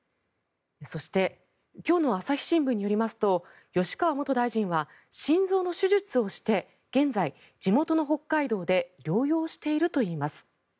そして今日の朝日新聞によりますと吉川元大臣は心臓の手術をして現在、地元の北海道で療養しているといいます。